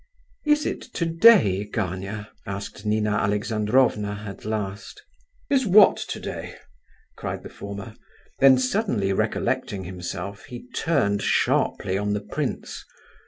"Is it today, Gania?" asked Nina Alexandrovna, at last. "Is what today?" cried the former. Then suddenly recollecting himself, he turned sharply on the prince.